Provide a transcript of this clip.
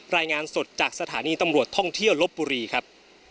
รายงานสดจากสถานีตำรวจท่องเที่ยวลบบุรีครับ